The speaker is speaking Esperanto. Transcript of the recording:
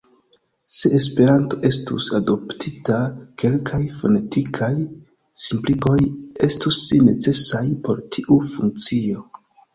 Se Esperanto estus adoptita, kelkaj fonetikaj simpligoj estus necesaj por tiu funkcio.